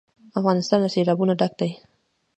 افغانستان له سیلابونه ډک دی.